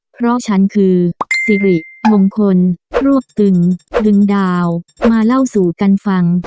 เพราะฉันคือสิริมงคลรวบตึงดึงดาวมาเล่าสู่กันฟัง